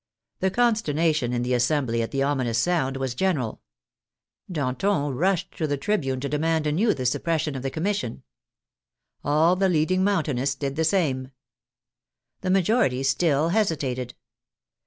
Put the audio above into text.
The consternation in the assembly at the ominous sound was general. Danton rushed to the tribune to demand anew the suppression of the Commis sion. All the leading Mountainists did the same. The majority still hesitated.